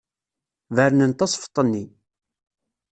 Bernen tasfeḍt-nni.